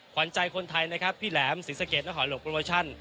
ขวัญใจคนไทยนะครับพี่แหลมศรีสะเกดนครหลวงโปรโมชั่น